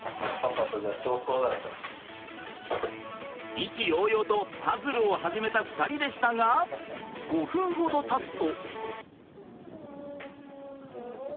意気揚々とパズルを始めた２人でしたが５分ほどたつと。